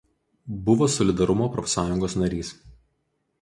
Buvo Solidarumo profsąjungos narys.